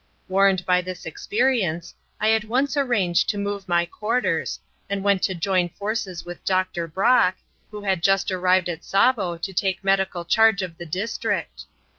Warned by this experience, I at once arranged to move my quarters, and went to join forces with Dr. Brock, who had just arrived at Tsavo to take medical charge of the district.